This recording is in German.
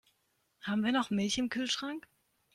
Haben wir noch Milch im Kühlschrank?